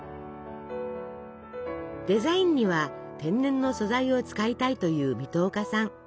デザインには天然の素材を使いたいという水戸岡さん。